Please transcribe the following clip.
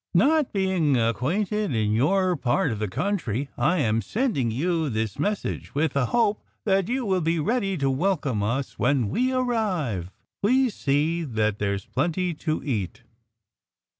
Not being acquainted in your part of the country, I am sending you this message with the hope that you will be ready to welcome us when we arrive. _Please see that there's a plenty to eat!